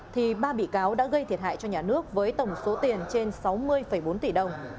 thì ba bị cáo đã gây thiệt hại cho nhà nước với tổng số tiền trên sáu mươi bốn tỷ đồng